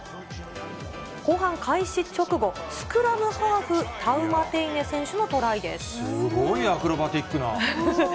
後半開始直後、スクラムハーフ、すごいアクロバティックな。